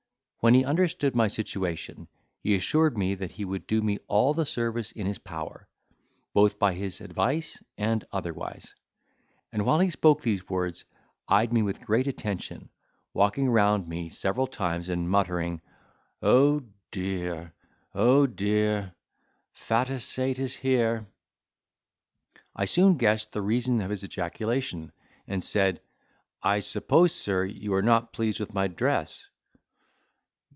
When he understood my situation, he assured me that he would do me all the service in his power, both by his advice and otherwise, and while he spoke these words eyed me with great attention, walking round me several times, and muttering, "Oh, dear! Oh, dear! fat a saight is here!" I soon guessed the reason of his ejaculation, and said, "I suppose, sir, you are not pleased with my dress."